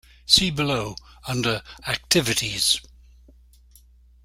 See below, under "Activities".